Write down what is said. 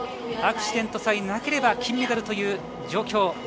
アクシデントさえなければ金メダルという状況。